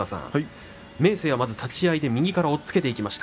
明生が立ち合いで右から押っつけていきました。